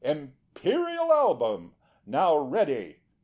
IMPERIAL ALBUM. _NOW READY.